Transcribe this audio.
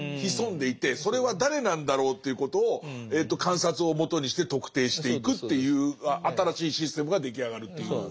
潜んでいてそれは誰なんだろうということを観察をもとにして特定していくっていう新しいシステムが出来上がるという。